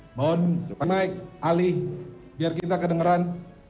delapan selongsong yang dituliskan oleh anggota propam